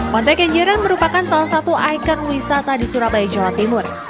pantai kenjeran merupakan salah satu ikon wisata di surabaya jawa timur